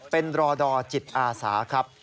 เป็นรอดอจิตอาสาครับ